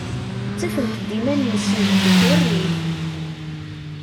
Ttafent-d iman-nsent deg rrif.